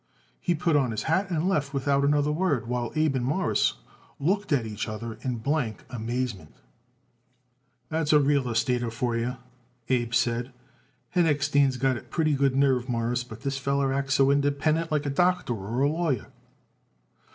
He put on his hat and left without another word, while Abe and Morris looked at each other in blank amazement. "That's a real estater for you," Abe said. "Henochstein's got it pretty good nerve, Mawruss, but this feller acts so independent like a doctor or a lawyer."